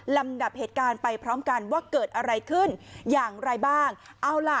ลำดับเหตุการณ์ไปพร้อมกันว่าเกิดอะไรขึ้นอย่างไรบ้างเอาล่ะ